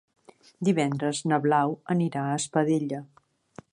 Divendres na Blau anirà a Espadella.